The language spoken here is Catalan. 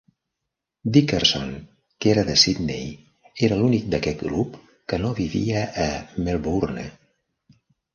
Dickerson, que era de Sydney, era l'únic d'aquest grup que no vivia a Melbourne.